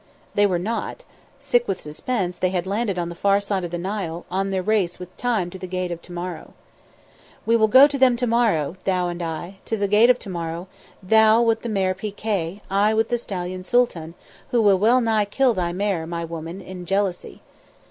They were not. Sick with suspense, they had landed on the far side of the Nile, on their race with Time to the Gate of To morrow. "We will go to them to morrow, thou and I. To the Gate of To morrow, thou with the mare Pi Kay, I with the stallion Sooltan, who will well nigh kill thy mare, my woman, in jealousy.